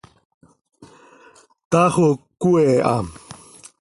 Taax oo cöquee ha.